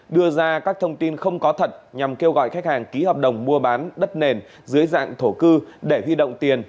đưa ra các thông tin không có thật nhằm kêu gọi khách hàng ký hợp đồng mua bán đất nền dưới dạng thổ cư để huy động tiền